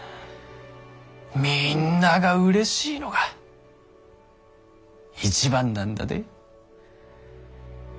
みぃんながうれしいのが一番なんだで。